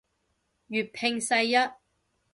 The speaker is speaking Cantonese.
粵拼世一